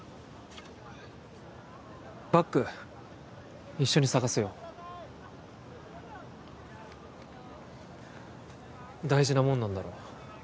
バッグ一緒に捜すよ大事なもんなんだろ？